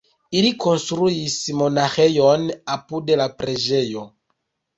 Ili konstruis monaĥejon apud la preĝejo.